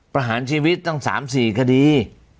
ประหารชีวิตตั้ง๓๔คดี